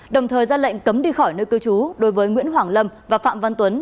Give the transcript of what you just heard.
đồng thời ra lệnh cấm đi khỏi nơi cư trú đối với nguyễn hoàng lâm và phạm văn tuấn